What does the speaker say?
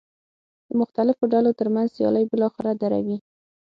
د مختلفو ډلو ترمنځ سیالۍ بالاخره دروي.